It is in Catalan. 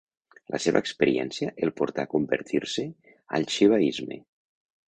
La seva experiència el portà a convertir-se al xivaisme.